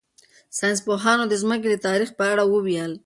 ساینس پوهانو د ځمکې د تاریخ په اړه وویل.